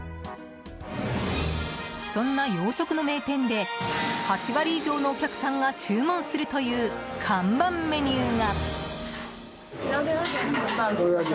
そんな洋食の名店で８割以上のお客さんが注文するという看板メニューが。